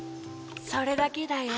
・それだけだよ。